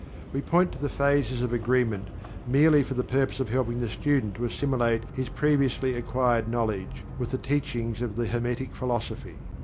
We point to the phases of agreement merely for the purpose of helping the student to assimilate his previously acquired knowledge with the teachings of the Hermetic Philosophy.